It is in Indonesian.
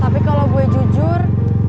tapi kalau gue jujur